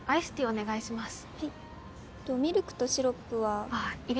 お願いします